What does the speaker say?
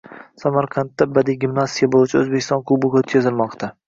Samarqandda Badiiy gimnastika bo‘yicha O‘zbekiston kubogi o‘tkazilmoqda